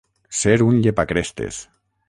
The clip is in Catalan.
Ser un llepacrestes.